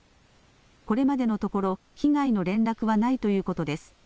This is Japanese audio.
これまでのところ、被害の連絡はないということです。